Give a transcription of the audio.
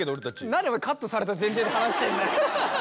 何お前カットされた前提で話してんだよ。